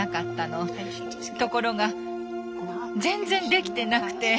ところが全然できてなくて。